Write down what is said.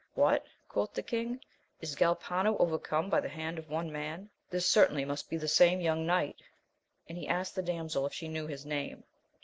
What 1 quoth the king, is Galpano overcome by the hand of one man? This certainly must be the same yoimg knight. And he asked the damsel if she knew his name.